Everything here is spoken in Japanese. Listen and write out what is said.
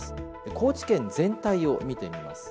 高知県全体を見てみます。